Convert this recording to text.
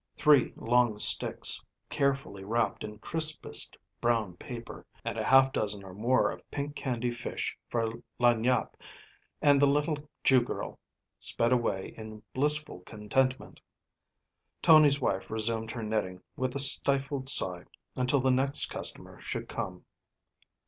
Three long sticks, carefully wrapped in crispest brown paper, and a half dozen or more of pink candy fish for lagniappe, and the little Jew girl sped away in blissful contentment. Tony's wife resumed her knitting with a stifled sigh until the next customer should come.